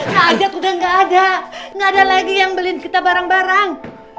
kaget udah nggak ada nggak ada lagi yang beliin kita barang barang